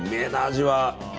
味は。